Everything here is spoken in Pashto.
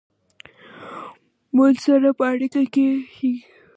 مونږ سره په اړیکه کې شئ